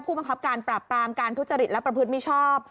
บังคับการปราบปรามการทุจริตและประพฤติมิชอบ